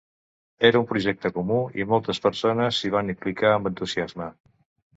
Era un projecte comú i moltes persones s'hi van implicar amb entusiasme.